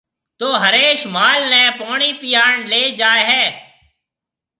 تو هريش مال نَي پوڻِي پِياڻ ليَ جائي هيَ۔